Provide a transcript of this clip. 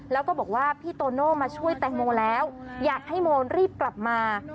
แล้วก็บอกว่าพี่โตโน่มาช่วยแตงโมแล้วอยากให้โมรีบกลับมา